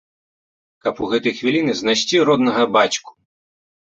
Каб у гэтыя хвіліны знайсці роднага бацьку!